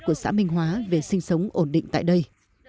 của xã minh hóa về sinh sống ổn định tại đây